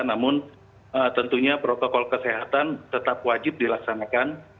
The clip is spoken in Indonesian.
namun tentunya protokol kesehatan tetap wajib dilaksanakan